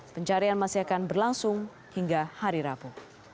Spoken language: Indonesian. pencarian masih akan berlangsung hingga hari rabu